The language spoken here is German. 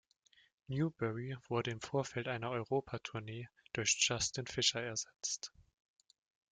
Newbury wurde im Vorfeld einer Europa-Tournee durch Justin Fisher ersetzt.